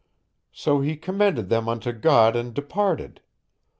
So he commended them unto God and departed.